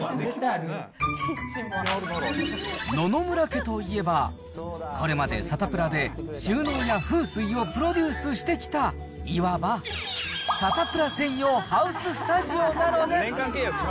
野々村家といえば、これまでサタプラで、収納や風水をプロデュースしてきた、いわば、サタプラ専用ハウススタジオなんです。